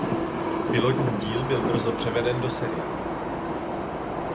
Pilotní díl byl brzo převeden do seriálu.